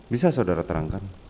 bisa saudara terangkan